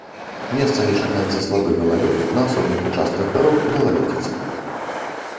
Месцамі чакаецца слабы галалёд, на асобных участках дарог галалёдзіца.